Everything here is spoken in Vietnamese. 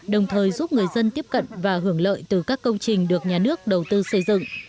đồng thời giúp người dân tiếp cận và hưởng lợi từ các công trình được nhà nước đầu tư xây dựng